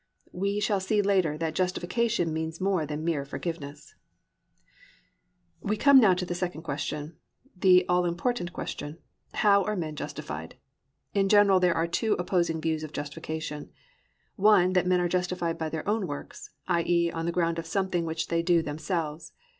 We shall see later that justification means more than mere forgiveness. II. HOW ARE MEN JUSTIFIED? We come now to the second question, and the all important question, How are men justified? In general there are two opposing views of justification: one that men are justified by their own works, i.e., on the ground of something which they do themselves.